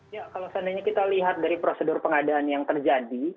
ya kalau seandainya kita lihat dari prosedur pengadaan yang terjadi